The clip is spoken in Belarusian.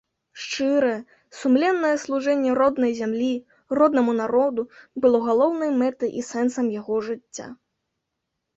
Шчырае, сумленнае служэнне роднай зямлі, роднаму народу было галоўнай мэтай і сэнсам яго жыцця.